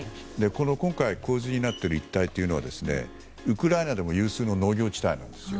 今回、洪水になっている一帯というのはウクライナでも有数の農業地帯なんです。